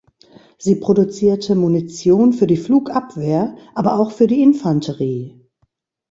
Sie produzierte Munition für die Flugabwehr, aber auch für die Infanterie.